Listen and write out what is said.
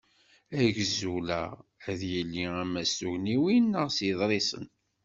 Agzul-a ad yili ama s tugniwin, neɣ s yiḍrisen.